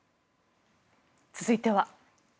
続いては。